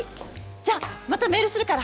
じゃまたメールするから！